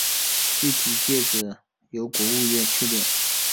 具体界址由国务院确定。